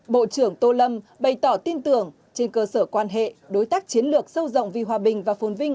bộ trưởng tô lâm bày tỏ tin tưởng trên cơ sở quan hệ đối tác chiến lược sâu rộng vì hòa bình và phôn vinh